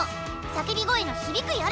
「叫び声の響く夜」。